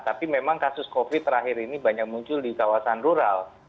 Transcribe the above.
tapi memang kasus covid terakhir ini banyak muncul di kawasan rural